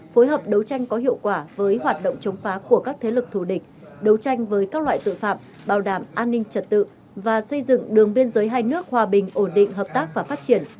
phối hợp đấu tranh có hiệu quả với hoạt động chống phá của các thế lực thù địch đấu tranh với các loại tội phạm bảo đảm an ninh trật tự và xây dựng đường biên giới hai nước hòa bình ổn định hợp tác và phát triển